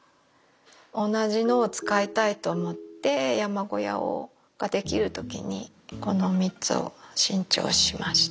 同じのを使いたいと思って山小屋が出来る時にこの３つを新調しました。